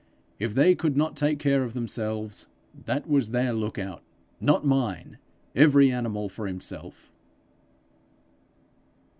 If they could not take care of themselves, that was their look out, not mine! Every animal for himself!'